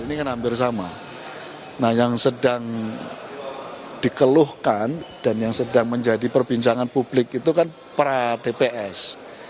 dan ini kan hampir sama nah yang sedang dikeluhkan dan yang sedang menjadi perbincangan publik itu kan para tps